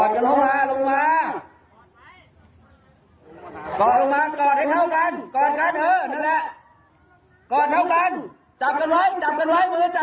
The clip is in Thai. นั่นแหละลงแบบนั้นนั่นแหละ